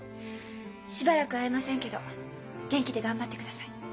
しばらく会えませんけど元気で頑張ってください。